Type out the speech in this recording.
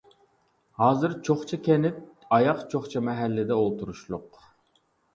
ھازىر چوقچا كەنت ئاياغ چوقچا مەھەللىدە ئولتۇرۇشلۇق.